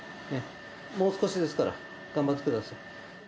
もう少しですから、頑張ってください。